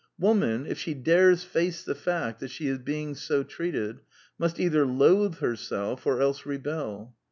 Woman, if she dares face the fact that she is being so treated, must either loathe herself or else rebel.